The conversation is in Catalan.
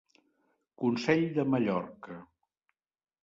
Consell de Mallorca.